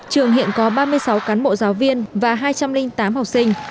trường hiện có ba mươi sáu cán bộ giáo viên và hai trăm linh tám học sinh